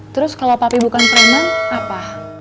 terus kalau papi bukan preman apa